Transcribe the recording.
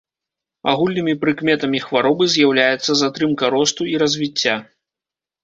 Агульнымі прыкметамі хваробы з'яўляецца затрымка росту і развіцця.